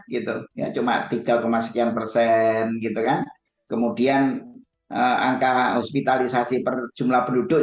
gitu ya cuma tinggal kemas kian persen gitu kan kemudian angka hospitalisasi perjumlah penduduk